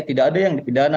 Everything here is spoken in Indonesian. tidak ada yang dipidana